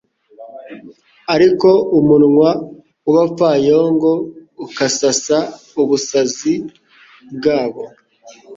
ariko umunwa w’abapfayongo ukasasa ubusazi bwabo